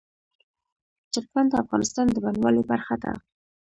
چرګان د افغانستان د بڼوالۍ برخه ده.